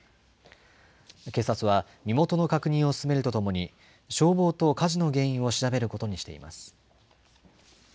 警察は身元の確認を進めるとともに、消防と火事の原因を調べることにしています。